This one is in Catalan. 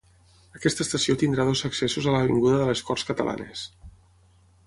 Aquesta estació tindrà dos accessos a l'avinguda de les Corts Catalanes.